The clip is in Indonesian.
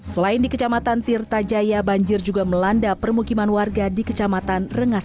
selain di kecamatan tirta jaya banjir juga melanda permukiman warga di kecamatan rengas